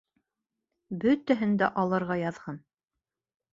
Бөтәһен дә алырға яҙһын!